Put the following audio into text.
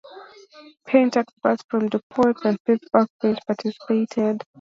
Paint experts from DuPont and Pittsburgh Paints participated.